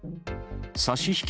差し引き